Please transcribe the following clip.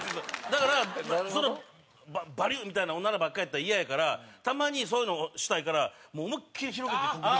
だからそのバリッみたいなオナラばっかりやったらイヤやからたまにそういうのをしたいから思いっきり広げてこく時ない？